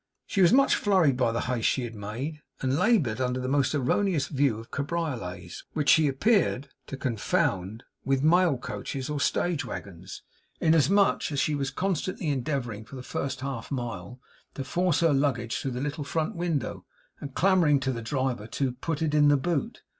She was much flurried by the haste she had made, and laboured under the most erroneous views of cabriolets, which she appeared to confound with mail coaches or stage wagons, inasmuch as she was constantly endeavouring for the first half mile to force her luggage through the little front window, and clamouring to the driver to 'put it in the boot.